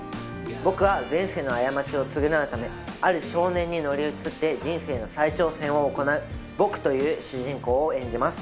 僕は前世の過ちを償うためある少年に乗り移って人生の再挑戦を行う「ぼく」という主人公を演じます。